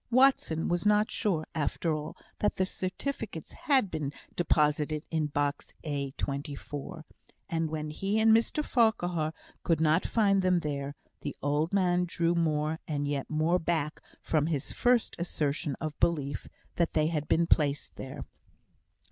Watson was not sure, after all, that the certificates had been deposited in box A, 24; and when he and Mr Farquhar could not find them there, the old man drew more and yet more back from his first assertion of belief that they had been placed there.